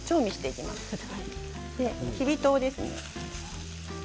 きび糖です。